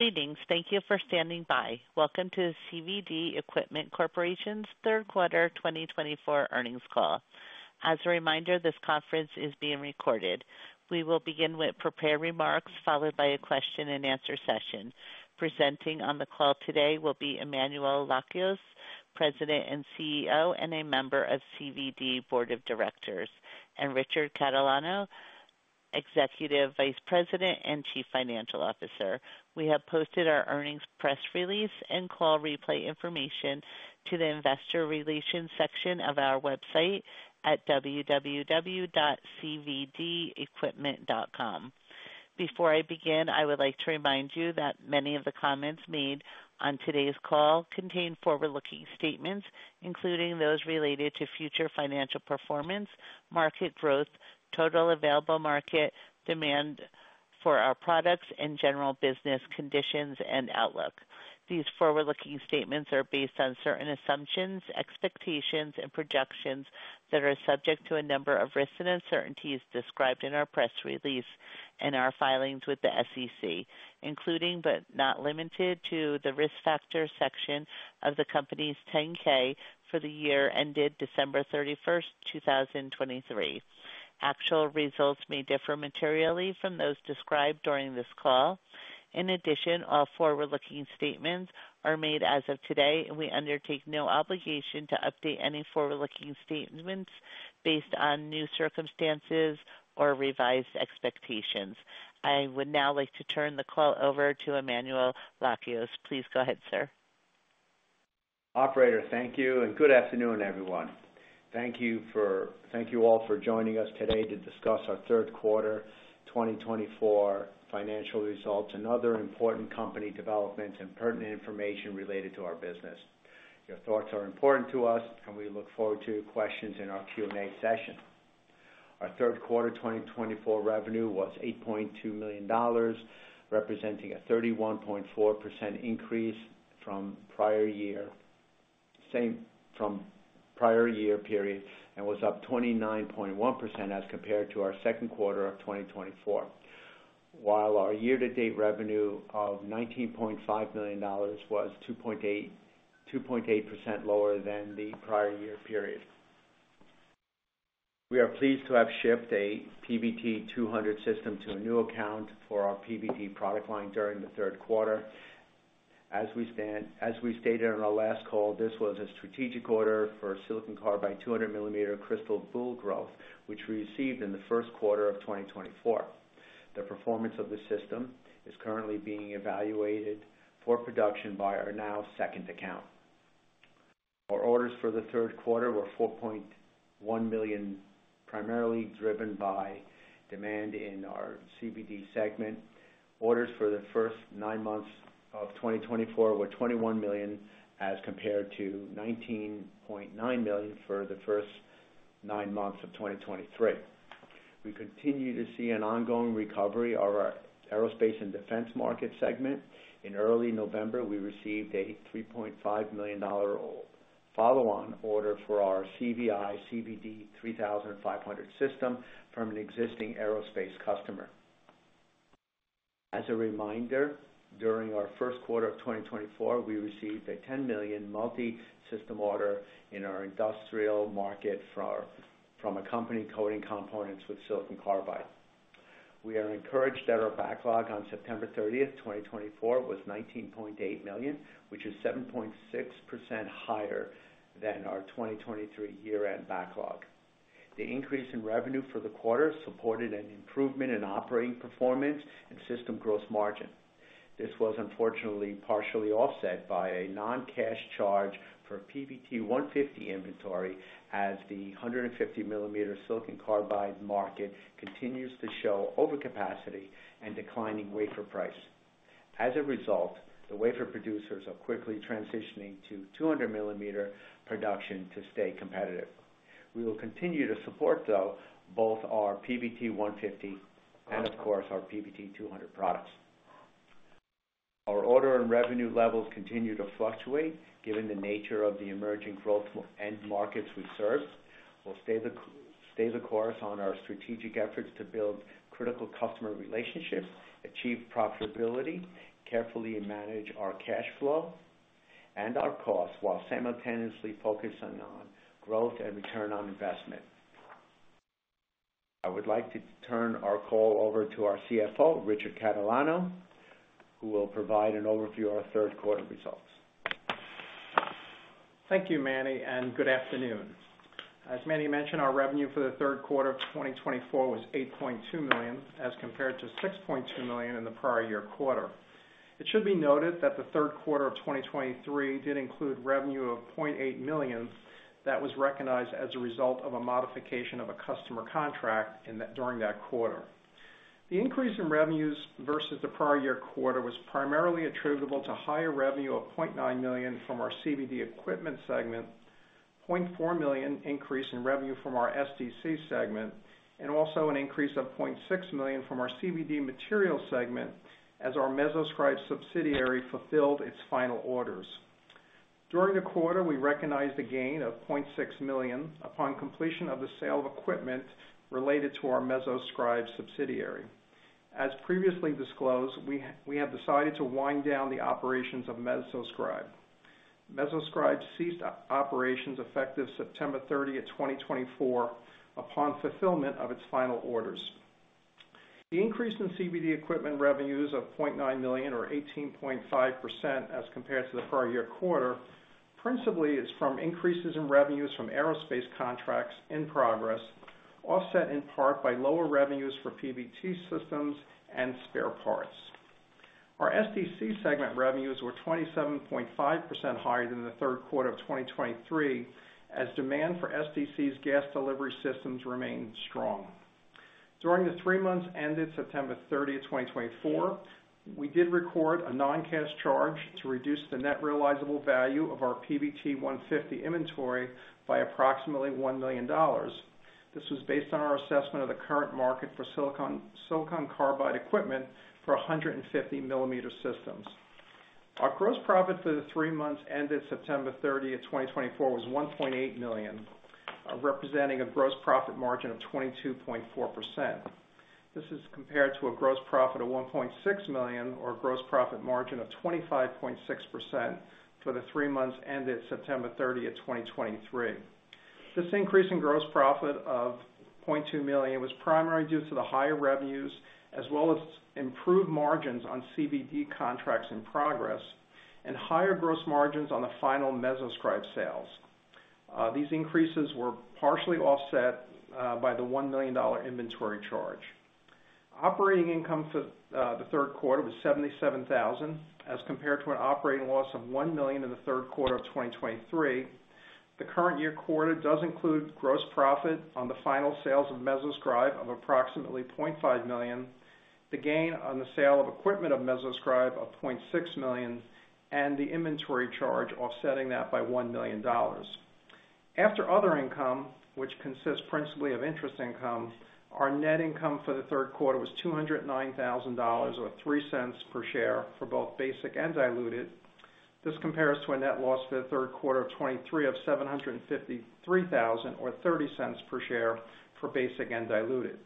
Greetings. Thank you for standing by. Welcome to CVD Equipment Corporation's third quarter 2024 earnings call. As a reminder, this conference is being recorded. We will begin with prepared remarks followed by a question-and-answer session. Presenting on the call today will be Emmanuel Lakios, President and CEO and a member of CVD Board of Directors, and Richard Catalano, Executive Vice President and Chief Financial Officer. We have posted our earnings press release and call replay information to the investor relations section of our website at www.cvdequipment.com. Before I begin, I would like to remind you that many of the comments made on today's call contain forward-looking statements, including those related to future financial performance, market growth, total available market demand for our products, and general business conditions and outlook. These forward-looking statements are based on certain assumptions, expectations, and projections that are subject to a number of risks and uncertainties described in our press release and our filings with the SEC, including but not limited to the risk factor section of the company's 10-K for the year ended December 31st, 2023. Actual results may differ materially from those described during this call. In addition, all forward-looking statements are made as of today, and we undertake no obligation to update any forward-looking statements based on new circumstances or revised expectations. I would now like to turn the call over to Emmanuel Lakios. Please go ahead, sir. Operator, thank you, and good afternoon, everyone. Thank you all for joining us today to discuss our third quarter 2024 financial results and other important company developments and pertinent information related to our business. Your thoughts are important to us, and we look forward to your questions in our Q&A session. Our third quarter 2024 revenue was $8.2 million, representing a 31.4% increase from prior year period and was up 29.1% as compared to our second quarter of 2024, while our year-to-date revenue of $19.5 million was 2.8% lower than the prior year period. We are pleased to have shipped a PVT 200 system to a new account for our PVT product line during the third quarter. As we stated on our last call, this was a strategic order for silicon carbide 200 millimeter crystal boule growth, which we received in the first quarter of 2024. The performance of the system is currently being evaluated for production by our now second account. Our orders for the third quarter were $4.1 million, primarily driven by demand in our CVD segment. Orders for the first nine months of 2024 were $21 million as compared to $19.9 million for the first nine months of 2023. We continue to see an ongoing recovery of our aerospace and defense market segment. In early November, we received a $3.5 million follow-on order for our CVI CVD 3500 system from an existing aerospace customer. As a reminder, during our first quarter of 2024, we received a $10 million multi-system order in our industrial market from a company coating components with silicon carbide. We are encouraged that our backlog on September 30th, 2024, was $19.8 million, which is 7.6% higher than our 2023 year-end backlog. The increase in revenue for the quarter supported an improvement in operating performance and system gross margin. This was unfortunately partially offset by a non-cash charge for PVT150 inventory as the 150 millimeter silicon carbide market continues to show overcapacity and declining wafer price. As a result, the wafer producers are quickly transitioning to 200 millimeter production to stay competitive. We will continue to support, though, both our PVT150 and, of course, our PVT200 products. Our order and revenue levels continue to fluctuate given the nature of the emerging growth and markets we've served. We'll stay the course on our strategic efforts to build critical customer relationships, achieve profitability, carefully manage our cash flow, and our costs while simultaneously focusing on growth and return on investment. I would like to turn our call over to our CFO, Richard Catalano, who will provide an overview of our third quarter results. Thank you, Manny, and good afternoon. As Manny mentioned, our revenue for the third quarter of 2024 was $8.2 million as compared to $6.2 million in the prior year quarter. It should be noted that the third quarter of 2023 did include revenue of $0.8 million that was recognized as a result of a modification of a customer contract during that quarter. The increase in revenues versus the prior year quarter was primarily attributable to higher revenue of $0.9 million from our CVD Equipment segment, $0.4 million increase in revenue from our SDC segment, and also an increase of $0.6 million from our CVD Materials segment as our MesoScribe subsidiary fulfilled its final orders. During the quarter, we recognized a gain of $0.6 million upon completion of the sale of equipment related to our MesoScribe subsidiary. As previously disclosed, we have decided to wind down the operations of MesoScribe. MesoScribe ceased operations effective September 30th, 2024, upon fulfillment of its final orders. The increase in CVD Equipment revenues of $0.9 million, or 18.5% as compared to the prior year quarter, principally is from increases in revenues from aerospace contracts in progress, offset in part by lower revenues for PVT systems and spare parts. Our SDC segment revenues were 27.5% higher than the third quarter of 2023 as demand for SDC's gas delivery systems remained strong. During the three months ended September 30th, 2024, we did record a non-cash charge to reduce the net realizable value of our PVT150 inventory by approximately $1 million. This was based on our assessment of the current market for silicon carbide equipment for 150 millimeter systems. Our gross profit for the three months ended September 30th, 2024, was $1.8 million, representing a gross profit margin of 22.4%. This is compared to a gross profit of $1.6 million or a gross profit margin of 25.6% for the three months ended September 30th, 2023. This increase in gross profit of $0.2 million was primarily due to the higher revenues as well as improved margins on CVD contracts in progress and higher gross margins on the final MesoScribe sales. These increases were partially offset by the $1 million inventory charge. Operating income for the third quarter was $77,000 as compared to an operating loss of $1 million in the third quarter of 2023. The current year quarter does include gross profit on the final sales of MesoScribe of approximately $0.5 million, the gain on the sale of equipment of MesoScribe of $0.6 million, and the inventory charge offsetting that by $1 million. After other income, which consists principally of interest income, our net income for the third quarter was $209,000 or $0.03 per share for both basic and diluted. This compares to a net loss for the third quarter of 2023 of $753,000 or $0.30 per share for basic and diluted.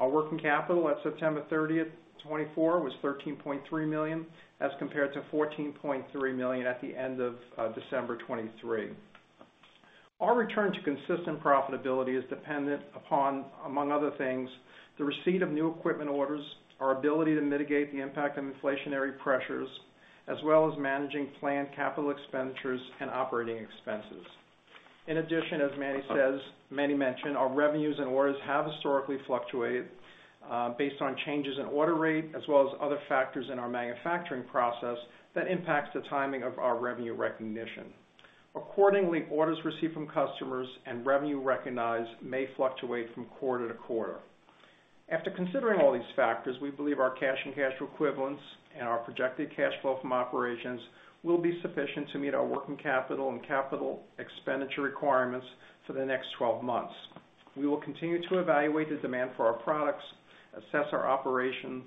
Our working capital at September 30th, 2024, was $13.3 million as compared to $14.3 million at the end of December 2023. Our return to consistent profitability is dependent upon, among other things, the receipt of new equipment orders, our ability to mitigate the impact of inflationary pressures, as well as managing planned capital expenditures and operating expenses. In addition, as Manny mentioned, our revenues and orders have historically fluctuated based on changes in order rate as well as other factors in our manufacturing process that impacts the timing of our revenue recognition. Accordingly, orders received from customers and revenue recognized may fluctuate from quarter to quarter. After considering all these factors, we believe our cash and cash equivalents and our projected cash flow from operations will be sufficient to meet our working capital and capital expenditure requirements for the next 12 months. We will continue to evaluate the demand for our products, assess our operations,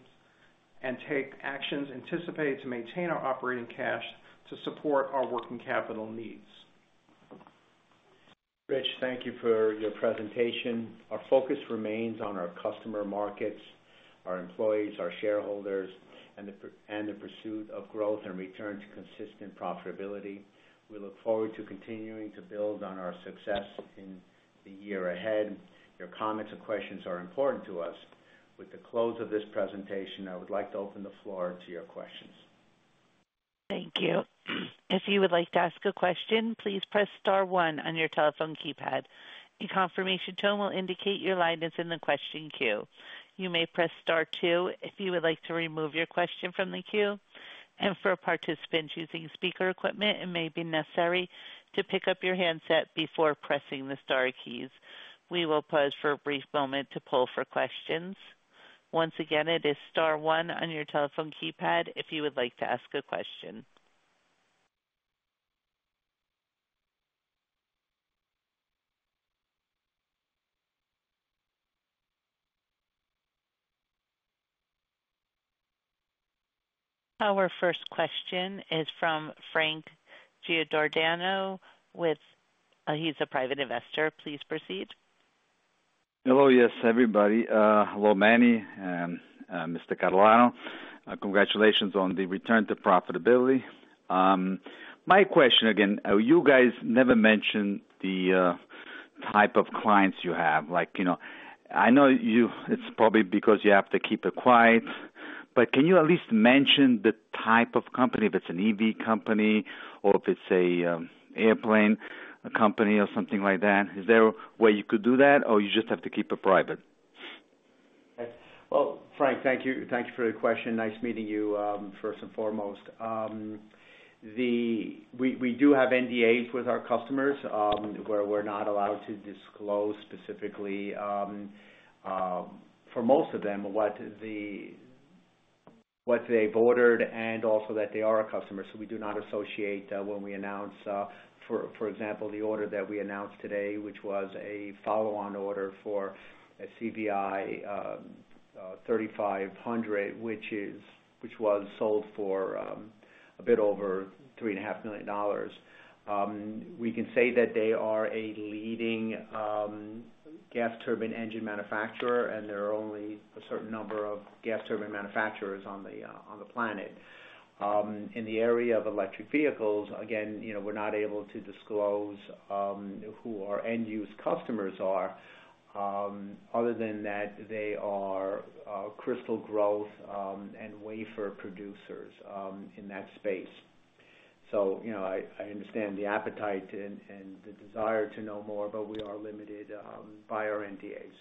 and take actions anticipated to maintain our operating cash to support our working capital needs. Rich, thank you for your presentation. Our focus remains on our customer markets, our employees, our shareholders, and the pursuit of growth and return to consistent profitability. We look forward to continuing to build on our success in the year ahead. Your comments and questions are important to us. With the close of this presentation, I would like to open the floor to your questions. Thank you. If you would like to ask a question, please press Star 1 on your telephone keypad. The confirmation tone will indicate your line is in the question queue. You may press Star 2 if you would like to remove your question from the queue. And for participants using speaker equipment, it may be necessary to pick up your handset before pressing the Star keys. We will pause for a brief moment to poll for questions. Once again, it is Star 1 on your telephone keypad if you would like to ask a question. Our first question is from Frank Giordano. He's a private investor. Please proceed. Hello, yes, everybody. Hello, Manny and Mr. Catalano. Congratulations on the return to profitability. My question again, you guys never mentioned the type of clients you have. I know it's probably because you have to keep it quiet, but can you at least mention the type of company, if it's an EV company or if it's an airplane company or something like that? Is there a way you could do that or you just have to keep it private? Frank, thank you for the question. Nice meeting you, first and foremost. We do have NDAs with our customers where we're not allowed to disclose specifically for most of them what they've ordered and also that they are a customer. So we do not associate when we announce, for example, the order that we announced today, which was a follow-on order for a CVI 3500, which was sold for a bit over $3.5 million. We can say that they are a leading gas turbine engine manufacturer, and there are only a certain number of gas turbine manufacturers on the planet. In the area of electric vehicles, again, we're not able to disclose who our end-use customers are, other than that they are crystal growth and wafer producers in that space. So I understand the appetite and the desire to know more, but we are limited by our NDAs.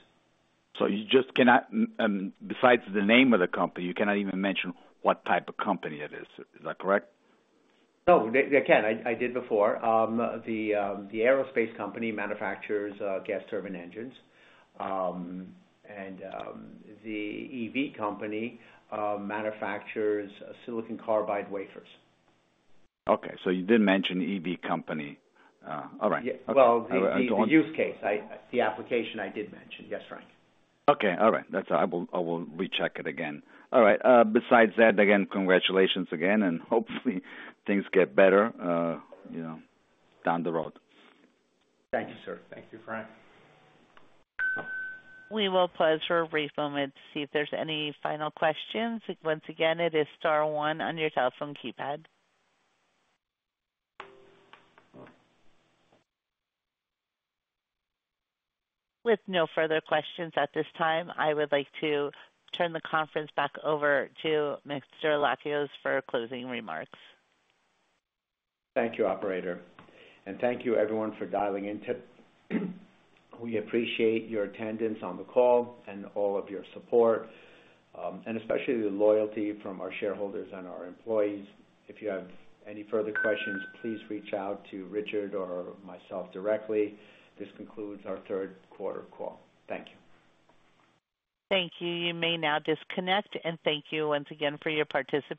So besides the name of the company, you cannot even mention what type of company it is. Is that correct? No, they can. I did before. The aerospace company manufactures gas turbine engines, and the EV company manufactures silicon carbide wafers. Okay, so you did mention EV company. All right. Yeah. Well, the use case, the application I did mention. Yes, Frank. Okay. All right. I will recheck it again. All right. Besides that, again, congratulations again, and hopefully things get better down the road. Thank you, sir. Thank you, Frank. We will pause for a brief moment to see if there's any final questions. Once again, it is Star 1 on your telephone keypad. With no further questions at this time, I would like to turn the conference back over to Mr. Lakios for closing remarks. Thank you, operator. And thank you, everyone, for dialing in. We appreciate your attendance on the call and all of your support, and especially the loyalty from our shareholders and our employees. If you have any further questions, please reach out to Richard or myself directly. This concludes our third quarter call. Thank you. Thank you. You may now disconnect, and thank you once again for your participation.